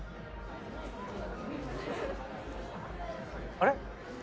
あれ？